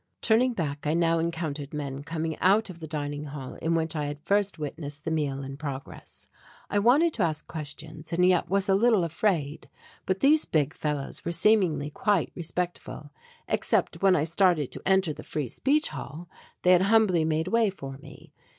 Turning back I now encountered men coming out of the dining hall in which I had first witnessed the meal in progress. I wanted to ask questions and yet was a little afraid. But these big fellows were seemingly quite respectful; except when I started to enter the Free Speech Hall, they had humbly made way for me.